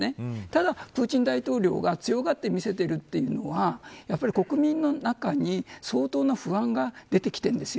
ただ、プーチン大統領が強がって見せているというのは国民の中に相当な不安が出てきているんです。